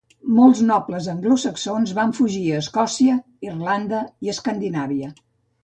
Molts nobles anglosaxons van fugir a Escòcia, Irlanda i Escandinàvia.